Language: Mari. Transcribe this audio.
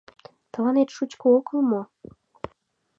Тыланет шучко огыл мо?